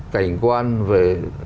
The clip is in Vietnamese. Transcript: cảnh quan về